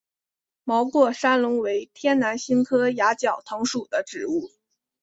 毛过山龙为天南星科崖角藤属的植物。